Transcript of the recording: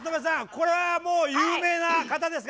これはもう有名な方ですか？